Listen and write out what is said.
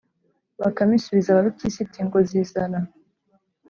“bakame isubiza warupyisi iti: “ngo zizana!